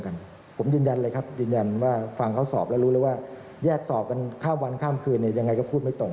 โกหกไม่เนียนแล้วครับ